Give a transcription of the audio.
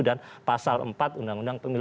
dan pasal empat undang undang pemilu